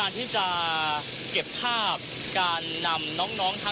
ติดตามการรายงานสดจากคุณทัศนายโค้ดทองค่ะ